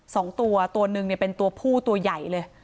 สองตัวตัวหนึ่งเนี่ยเป็นตัวผู้ตัวใหญ่เลย